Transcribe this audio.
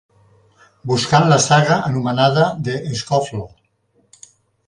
Buscant la saga anomenada The Scofflaw.